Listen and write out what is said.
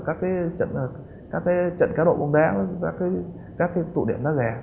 các cái tụ điểm đó rẻ